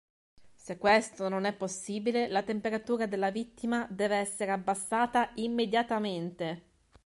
Se questo non è possibile, la temperatura della vittima deve essere abbassata immediatamente.